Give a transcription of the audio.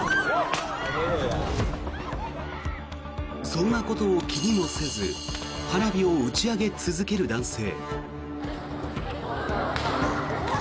そんなことを気にもせず花火を打ち上げ続ける男性。